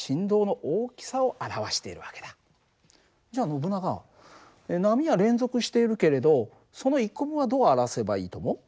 じゃあノブナガ波は連続しているけれどその１個分はどう表せばいいと思う？